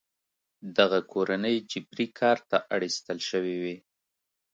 دغه کورنۍ جبري کار ته اړ ایستل شوې وې.